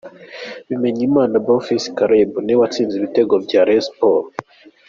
Bimenyimana Bonfils Caleb ni we watsinze ibitego bya Rayon Sports .